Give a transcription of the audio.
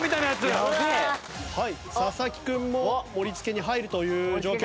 はい佐々木君も盛りつけに入るという状況です。